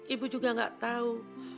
ibu juga gak tahu